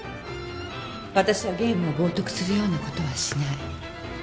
私はゲームを冒涜するようなことはしない。